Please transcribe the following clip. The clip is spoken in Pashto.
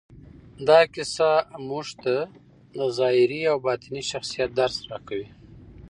دا کیسه موږ ته د ظاهري او باطني شخصیت درس راکوي.